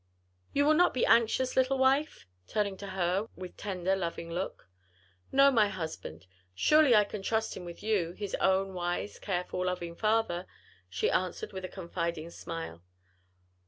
"You will not be anxious, little wife?" turning to her with a tender loving look. "No, my husband; surely I can trust him with you, his own wise, careful, loving father;" she answered with a confiding smile.